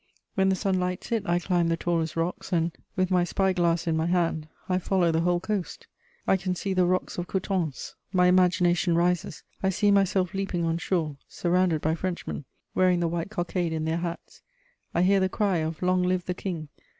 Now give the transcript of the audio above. When the sun lights it, I climb the tallest rocks and, with my spy glass in my hand, I follow the whole coast: I can see the rocks of Coutances. My imagination rises, I see myself leaping on shore, surrounded by Frenchmen, wearing the white cockade in their hats; I hear the cry of 'Long live the King!'